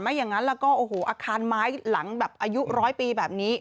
ไม่อย่างนั้นแล้วก็อาคารไม้หลังอายุร้อยปีแบบนี้